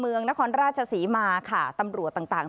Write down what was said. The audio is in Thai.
เมืองนครราชสีมาตำรัวต่าง